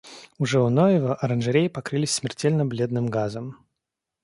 Уже у Ноева оранжереи покрылись смертельно-бледным газом!